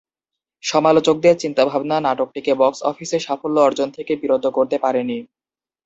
সমালোচকদের চিন্তাভাবনা নাটকটিকে বক্স অফিসে সাফল্য অর্জন থেকে বিরত করতে পারেনি।